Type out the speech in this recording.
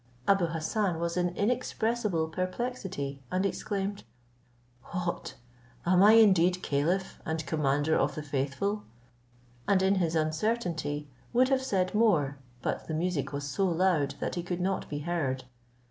Abou Hassan was in inexpressible perplexity, and exclaimed, "What! am I indeed caliph, and commander of the faithful!" And in his uncertainty, would have said more, but the music was so loud, that he could not be heard.